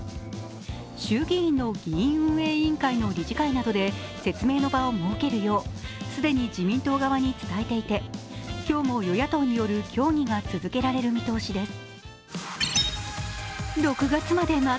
衆議院の議院運営委員会の理事会などで説明の場を設けるよう既に自民党側に伝えていて今日も与野党による協議が続けられる見通しです。